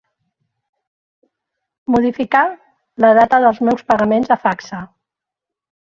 Modificar la data dels meus pagaments a Facsa.